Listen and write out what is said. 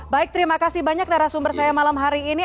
baik terima kasih banyak narasumber saya malam hari ini